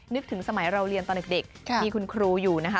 นึกถึงสมัยเราเรียนตอนเด็กมีคุณครูอยู่นะคะ